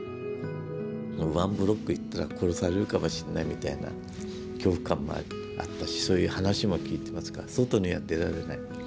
ワンブロック行ったら殺されるかもしんないみたいな恐怖感もあったしそういう話も聞いてますから外には出られない。